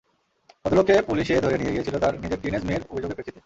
ভদ্রলোককে পুলিশে ধরে নিয়ে গিয়েছিল তার নিজেরই টিনএজ মেয়ের অভিযোগের প্রেক্ষিতে।